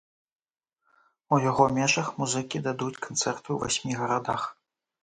У яго межах музыкі дадуць канцэрты ў васьмі гарадах.